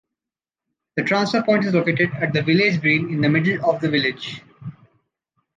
The transfer point is located at the village green in the middle of the village.